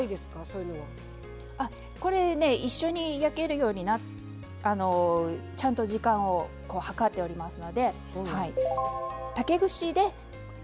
あっこれね一緒に焼けるようにちゃんと時間を計っておりますので。